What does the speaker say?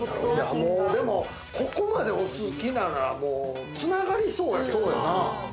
ここまでお好きならつながりそうやけれどな。